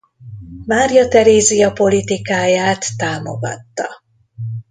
Mária Terézia politikáját támogatta.